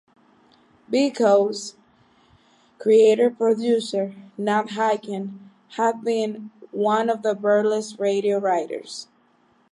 "Bilko's" creator-producer, Nat Hiken, had been one of Berle's radio writers.